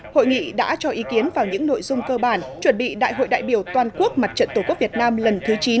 hội nghị đã cho ý kiến vào những nội dung cơ bản chuẩn bị đại hội đại biểu toàn quốc mặt trận tổ quốc việt nam lần thứ chín